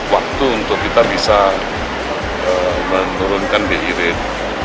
waktu untuk kita bisa menurunkan bi rate